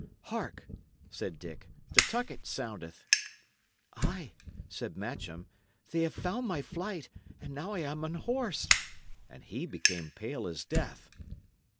"Hark!" said Dick, "the tucket soundeth." "Ay," said Matcham, "they have found my flight, and now I am unhorsed!" and he became pale as death.